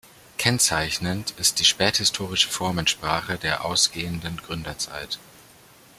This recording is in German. Kennzeichnend ist die späthistoristische Formensprache der ausgehenden Gründerzeit.